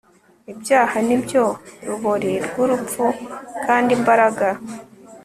Ibyaha ni byo rubori rw urupfu kandi imbaraga